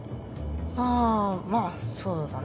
あまぁそうだね。